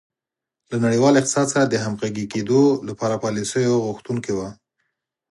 له نړیوال اقتصاد سره د همغږي کېدو لپاره پالیسیو غوښتونکې وه.